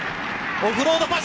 オフロードパス。